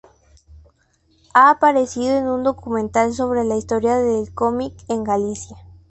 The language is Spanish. Ha aparecido en un documental sobre la historia del cómic en Galicia.